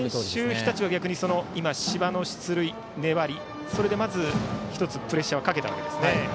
日立は柴の出塁、粘りそれで１つプレッシャーをかけたわけですね。